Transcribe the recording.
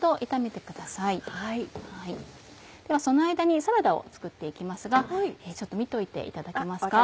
ではその間にサラダを作って行きますが見ておいていただけますか？